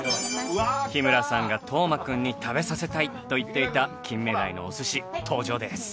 日村さんが斗真くんに食べさせたいと言っていた金目鯛のお寿司登場です。